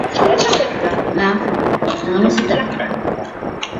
特别的是剧场版的故事是以像机动警察般展开而引发话题。